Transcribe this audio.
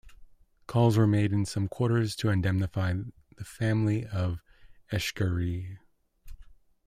Calls were made in some quarters to indemnify the family of Echegaray.